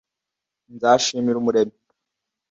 nzashimira umuremyi